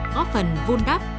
góp phần vun đắp